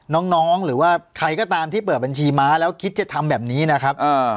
น้องหรือว่าใครก็ตามที่เปิดบัญชีม้าแล้วคิดจะทำแบบนี้นะครับ